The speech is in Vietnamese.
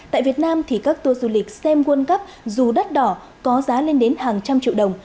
tại việt nam thì các tour du lịch xem world cup dù đắt đỏ có giá lên đến hàng trăm triệu đồng